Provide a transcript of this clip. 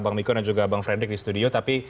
bang miko dan juga bang frederick di studio tapi